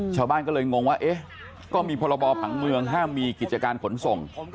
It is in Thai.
ชาวบ้านก็เลยงงว่าเอ๊ะก็มีพรบผังเมืองห้ามมีกิจการขนส่ง